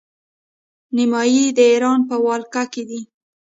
نیمايي د ایران په ولکه کې دی.